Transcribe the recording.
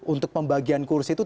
untuk pembagian kursi itu